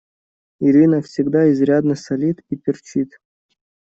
Ирина всегда изрядно солит и перчит.